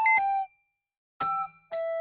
ピッ。